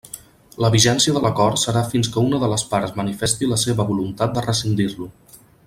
La vigència de l'Acord serà fins que una de les parts manifesti la seva voluntat de rescindir-lo.